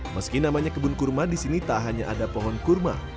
meski namanya kebun kurma di sini tak hanya ada pohon kurma